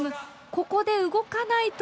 ここで動かないとは。